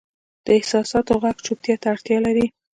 د احساساتو ږغ چوپتیا ته اړتیا لري.